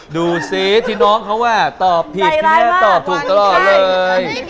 ดูสิที่น้องเขาว่าตอบผิดที่นี่ตอบถูกก็รอเลย